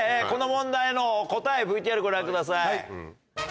この問題の答えＶＴＲご覧ください。